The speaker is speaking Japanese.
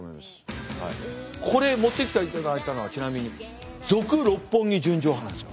これ持ってきていただいたのはちなみに「続・六本木純情派」なんですよ。